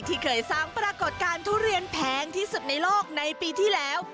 ที่เคยสร้างปรากฏการณ์ทุเรียนแพงที่สุดในโลกในปีที่แล้ว